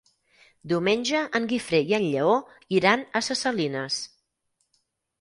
Diumenge en Guifré i en Lleó iran a Ses Salines.